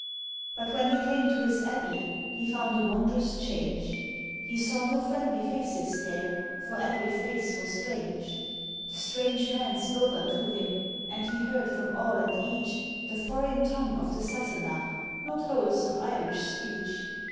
But, when he came to his Abbey, he found a wondrous change; He saw no friendly faces there, for every face was strange. The strange men spoke unto him; and he heard from all and each The foreign tongue of the Sassenach, not wholesome Irish speech.